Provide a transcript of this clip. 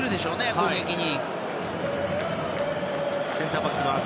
攻撃に。